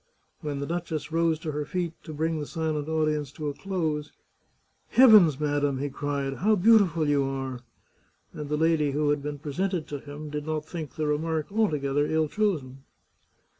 When the duchess rose to her feet to bring the silent audience to a close, " Heavens, madam," he cried, "how beautiful you are!" and the lady who had been presented to him did not think the remark altogether ill chosen.